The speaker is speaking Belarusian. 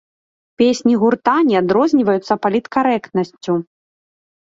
Песні гурта не адрозніваюцца паліткарэктнасцю.